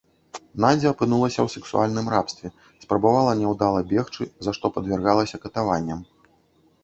Надзя апынулася ў сексуальным рабстве, спрабавала няўдала бегчы, за што падвяргалася катаванням.